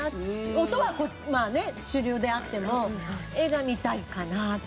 音はまあね主流であっても画が見たいかなって。